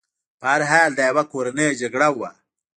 په هر حال دا یوه کورنۍ جګړه وه.